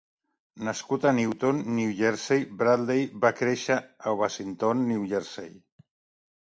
Nascut a Newton, New Jersey, Bradley va créixer a Washington, New Jersey.